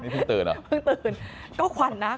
นี่เพิ่งตื่นเหรอ